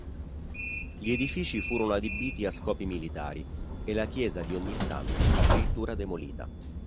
Gli edifici furono adibiti a scopi militari e la chiesa di Ognissanti addirittura demolita.